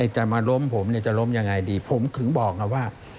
จะมาล้มผมจะล้มอย่างไรดีผมคือบอกกันว่า